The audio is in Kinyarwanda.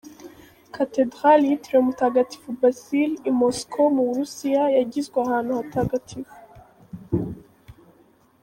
Cathedral yitiriwe mutagatifu Basil y’I Moscow mu burusiya yagizwe ahantu hatagatifu.